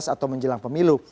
atau menjelang pemilu